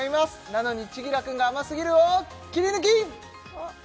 「なのに、千輝くんが甘すぎる。」をキリヌキ！